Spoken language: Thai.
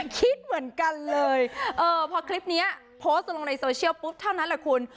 คิดเหมือนกันเลยพอคลิปนี้โพสต์ลงในโซเชียลปุ๊บเท่านั้นแหละคุณ